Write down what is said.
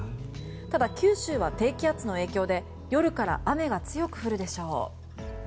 ただ、九州は低気圧の影響で夜から雨が強く降るでしょう。